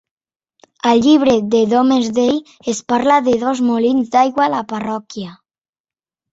Al llibre de Domesday es parla de dos molins d'aigua a la parròquia.